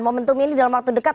momentum ini dalam waktu dekat